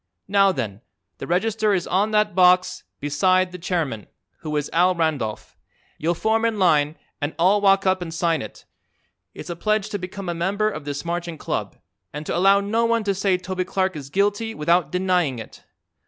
Now, then, the register is on that box beside the chairman, who is Al Randolph. You'll form in line and all walk up and sign it. It's a pledge to become a member of this Marching Club and to allow no one to say Toby Clark is guilty without denying it.